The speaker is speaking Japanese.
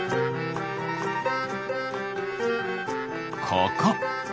ここ。